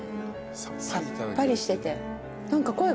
さっぱりしてて。